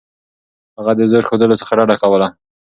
هغه د زور ښودلو څخه ډډه کوله.